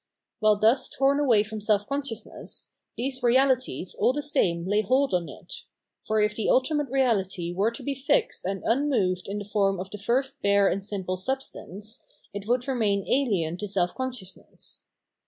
While thus torn away from self consciousness, these Reahties all the same lay hold on it; for if the Ultimate Reahty were to be fixed and unmoved in the form of the flbcst bare and simple substance, it would remain ahen to self consciousness.